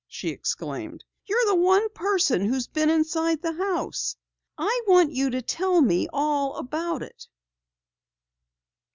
she exclaimed. "You're the one person who has been inside the house! I want you to tell me all about it."